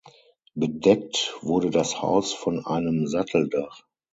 Bedeckt wurde das Haus von einem Satteldach.